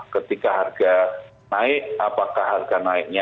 ketika harga naik apakah harga naiknya